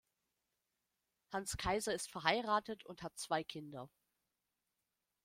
Hans Kaiser ist verheiratet und hat zwei Kinder.